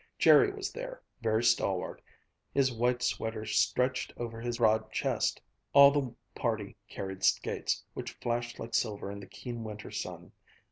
Jerry was there, very stalwart, his white sweater stretched over his broad chest. All the party carried skates, which flashed like silver in the keen winter sun.